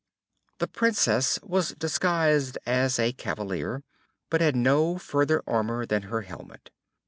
The Princess was disguised as a cavalier, but had no other armour than her helmet.